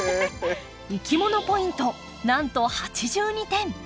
いきものポイントなんと８２点！